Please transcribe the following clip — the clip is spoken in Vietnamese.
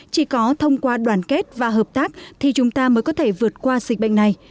chỉ có thông qua đoàn kết và hợp tác thì chúng ta mới có thể vượt qua dịch bệnh này